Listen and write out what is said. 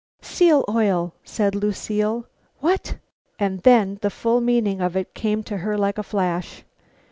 "Seal oil!" said Lucile. "What " and then the full meaning of it came to her like a flash.